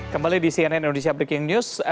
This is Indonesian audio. kembali di cnn indonesia breaking news